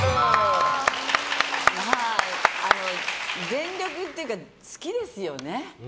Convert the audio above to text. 全力というか、好きですよね。